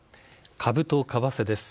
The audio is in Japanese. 株と為替です。